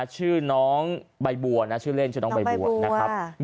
ชื่อน้องใบบัวนะชื่อเล่นชื่อน้องใบบัวนะครับ